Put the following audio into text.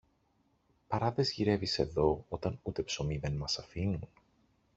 Παράδες γυρεύεις εδώ, όταν ούτε ψωμί δεν μας αφήνουν;